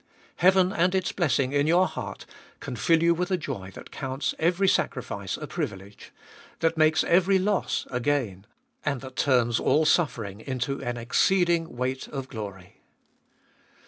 Heaven and its blessing in your heart can fill you with a joy that counts every sacrifice a privilege, that makes every loss a gain, and that turns all suffering into an exceeding weight of glory.